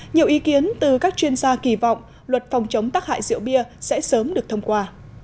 nhiều ý kiến từ các chuyên gia kỳ vọng luật phòng chống tắc hại rượu bia sẽ sớm được thông qua